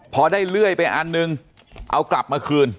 พอได้เลื่อยไปอันนึงเอากลับมาคืน